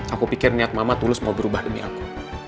aku pikir niat mama tulus mau berubah demi aku